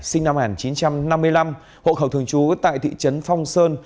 sinh năm một nghìn chín trăm năm mươi năm hộ khẩu thường trú tại thị trấn phong sơn